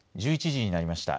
１１時になりました。